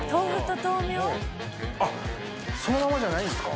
そのままじゃないんですか？